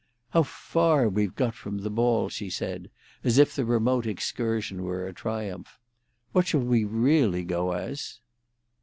"How far we've got from the ball!" she said, as if the remote excursion were a triumph. "What shall we really go as?"